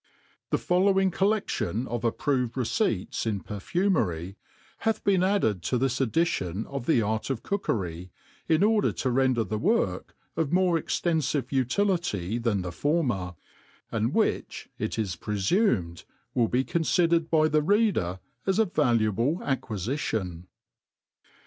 THE following CoUeftion of approved Receipts^ in Perfumery^ hath been added co this Edition •f the Art of Cookery, in order to render the Work of more .extend ve Utility than the fornner ; and which, « it is prefumed, will be confidered by the Reader as a valuable Acquifition.